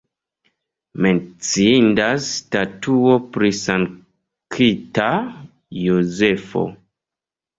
Menciindas statuo pri Sankta Jozefo.